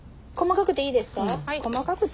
細かくていいですか？